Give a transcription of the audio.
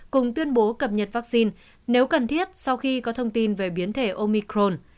cùng tuyên bố cập nhật vaccine nếu cần thiết sau khi có thông tin về biến thể omicron